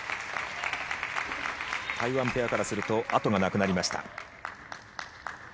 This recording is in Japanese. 台湾ペアからすると後がなくなりました。